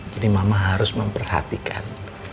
jadi mama harus memperhatikan